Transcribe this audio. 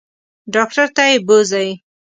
ډاکټر ته یې بوزئ.